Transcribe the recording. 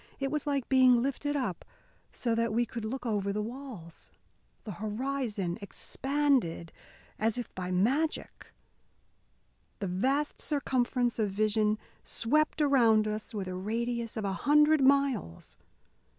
It was like being lifted up so that we could look over the walls. The horizon expanded as if by magic. The vast circumference of vision swept around us with a radius of a hundred miles.